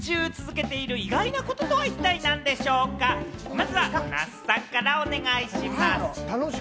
まずは那須さんからお願いします。